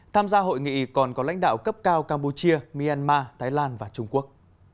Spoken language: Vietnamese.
tham gia hội nghị còn có lãnh đạo cấp cao campuchia myanmar thái lan và trung quốc